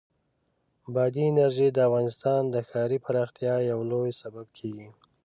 بادي انرژي د افغانستان د ښاري پراختیا یو لوی سبب کېږي.